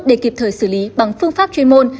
để kịp thời xử lý bằng phương pháp chuyên môn